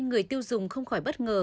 người tiêu dùng không khỏi bất ngờ